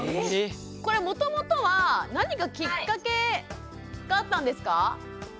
これもともとは何かきっかけがあったんですか？